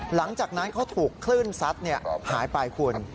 หลังจากนั้นเขาถูกคลื่นซัดหายไปคุณ